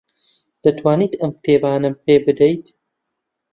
دەتوانیت ئەو کتێبانەم پێ بدەیت؟